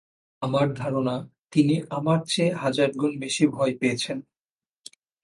আমার ধারণা, তিনি আমার চেয়ে হাজার গুণ বেশি ভয় পেয়েছেন।